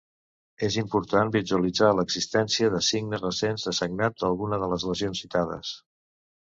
És important visualitzar l'existència de signes recents de sagnat d'alguna de les lesions citades.